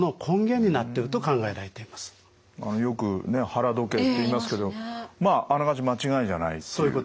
よくね腹時計と言いますけどまああながち間違いじゃないっていう。